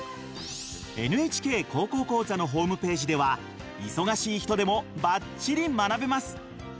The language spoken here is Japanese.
「ＮＨＫ高校講座」のホームページでは忙しい人でもばっちり学べます。